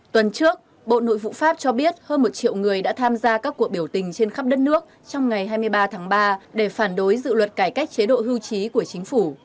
tuần trước bộ nội vụ pháp cho biết hơn một triệu người đã tham gia các cuộc biểu tình trên khắp đất nước trong ngày hai mươi ba tháng ba để phản đối dự luật cải cách chế độ hưu trí của chính phủ